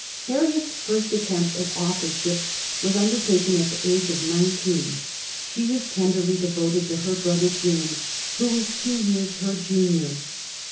Harriet's first attempt at authorship was undertaken at the age of nineteen; she was tenderly devoted to her brother James, who was two years her junior.